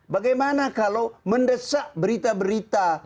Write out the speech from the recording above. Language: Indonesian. bagaimana kalau mendesak berita berita